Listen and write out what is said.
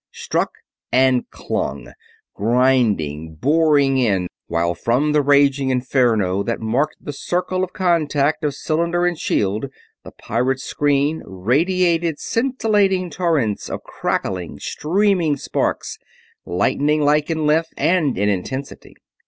Struck and clung, grinding, boring in, while from the raging inferno that marked the circle of contact of cylinder and shield the pirate's screen radiated scintillating torrents of crackling, streaming sparks, lightning like in length and in intensity.